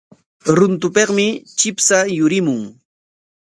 Runtupikmi chipsha yurimun.